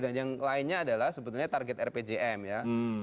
dan yang lainnya adalah sebetulnya target rpjm ya